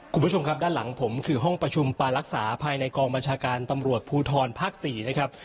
คุณผู้ชมครับด้านหลังผมคือห้องประชุมปารักษาภายในกองบัญชาการตำรวจภูทรภาค๔นะครับ